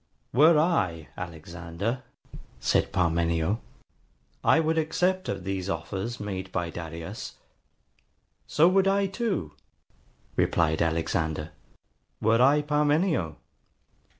]. WERE I Alexander, said Parmenio, I WOULD ACCEPT OF THESE OFFERS MADE BY DARIUS. SO WOULD I TOO, replied Alexander, WERE I PARMENIO.